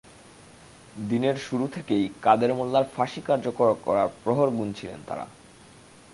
দিনের শুরু থেকেই কাদের মোল্লার ফাঁসি কার্যকর করার প্রহর গুনছিলেন তাঁরা।